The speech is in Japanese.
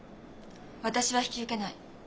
私は引き受けない。